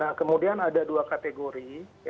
nah kemudian ada dua kategori